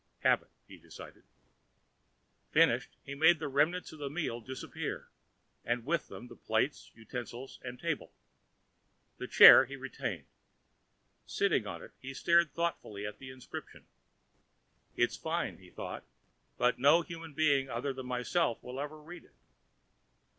Habit, he decided. Finished, he made the remnants of the meal disappear, and with them the plates, utensils and table. The chair he retained. Sitting on it, he stared thoughtfully at the inscription. It's fine, he thought, _but no human other than myself will ever read it.